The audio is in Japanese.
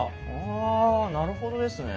あなるほどですね。